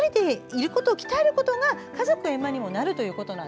１人でいることを鍛えることが家族円満になると。